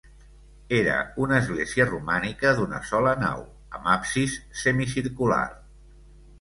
Era una església romànica d'una sola nau, amb absis semicircular.